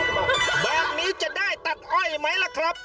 แบบนี้จะได้ตัดอ้อยไหมล่ะครับ